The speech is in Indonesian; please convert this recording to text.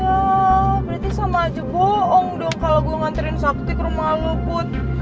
ya berarti sama aja boong dong kalo gue nganterin sakti ke rumah lo bud